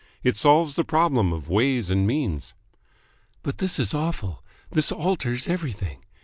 "It solves the problem of ways and means." "But this is awful. This alters everything.